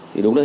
thì đúng rồi